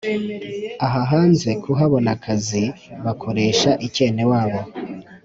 Ahahanze kubona akazi bakoresha icyenewabo